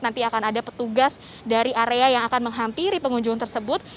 nanti akan ada petugas dari area yang akan menghampiri pengunjung tersebut